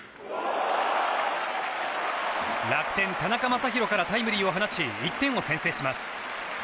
楽天、田中将大からタイムリーを放ち１点を先制します。